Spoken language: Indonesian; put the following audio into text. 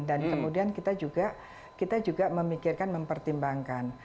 dan kemudian kita juga memikirkan mempertimbangkan